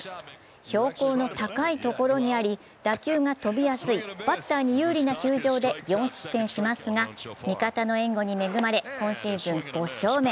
標高の高いところにあり打球が飛びやすいバッターに有利な球場で４失点しますが、味方の援護に恵まれ今シーズン５勝目。